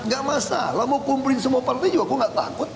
gak masalah mau kumpulin semua partai juga gue gak takut